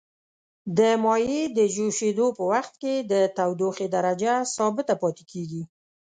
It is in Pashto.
د مایع د جوشیدو په وقت کې د تودوخې درجه ثابته پاتې کیږي.